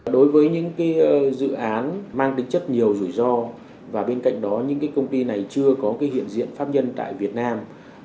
đối với những dự án mang tính chất nhiều rủi ro và bên cạnh đó những công ty này chưa có hiện diện pháp nhân tại việt nam